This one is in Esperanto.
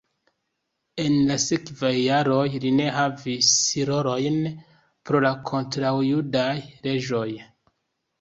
En la sekvaj jaroj li ne havis rolojn pro la kontraŭjudaj leĝoj.